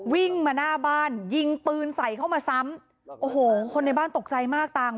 วิ่งมาหน้าบ้านยิงปืนใส่เข้ามาซ้ำโอ้โหคนในบ้านตกใจมากต่าง